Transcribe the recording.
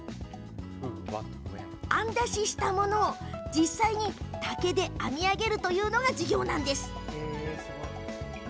案出ししたものを実際に竹で編み上げるという授業です。